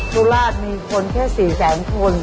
สุราชมีคนแค่๔แสนคน